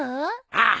ああ。